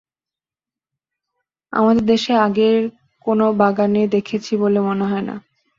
আমাদের দেশে আগে অন্য কোনো বাগানে দেখেছি বলেও মনে হলো না।